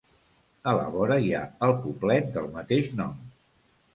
A la vora, hi ha el poblet del mateix nom.